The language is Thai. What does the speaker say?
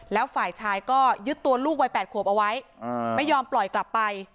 แล้วฝ่ายชายก็ยึดตัวลูกวัย๘ขวบเอาไว้ไม่ยอมปล่อยกลับไป